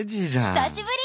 久しぶり。